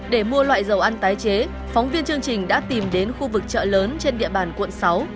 để mua loại dầu ăn tái chế phóng viên chương trình đã tìm đến khu vực chợ lớn trên địa bàn quận sáu